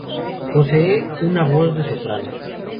Posee una voz de soprano.